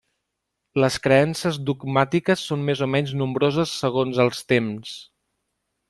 Les creences dogmàtiques són més o menys nombroses segons els temps.